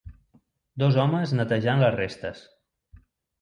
Dos homes netejant les restes.